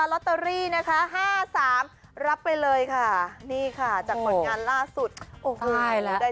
ลอตเตอรี่นะคะ๕๓รับไปเลยค่ะนี่ค่ะจากผลงานล่าสุดโอ้โหได้